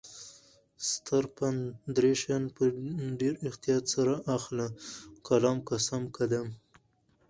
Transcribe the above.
ستر پند: دری شیان په ډیر احتیاط سره اخله: قلم ، قسم، قدم